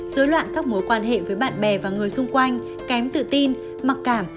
dối loạn các mối quan hệ với bạn bè và người xung quanh kém tự tin mặc cảm